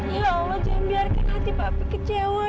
ya allah jangan biarkan hati papi kecewa ya allah